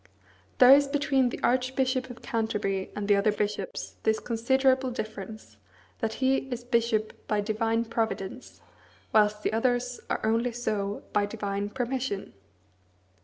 There is between the Archbishop of Canterbury and the other bishops this considerable difference, that he is bishop "by divine providence," whilst the others are only so "by divine permission."